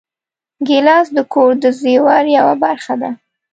ګیلاس د کور د زېور یوه برخه ده.